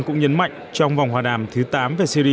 cũng nhấn mạnh trong vòng hòa đàm thứ tám về syri